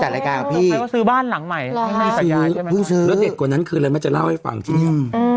แล้วก็ซื้อบ้านหลังใหม่แล้วเด็กกว่านั้นคืออะไรมันจะเล่าให้ฟังที่เนี้ย